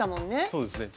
そうですね。